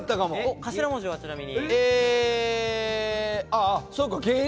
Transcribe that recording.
頭文字は、ちなみに？